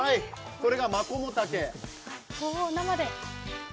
これがマコモタケ。